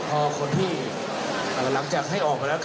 พอคนที่เอ่อหลังจากให้ออกไปแล้วนะครับ